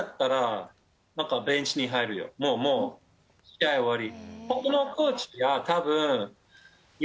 もう試合終わり。